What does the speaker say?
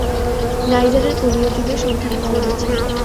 নাইজারের পলীয় যুগের সন্ধান পাওয়া গেছে।